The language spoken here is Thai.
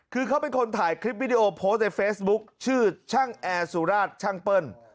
คือเขาเป็นคนถ่ายคลิปวิดีโอโพสต์ในเฟซบุ๊คชื่อช่างแอร์สุราชช่างเปิ้ล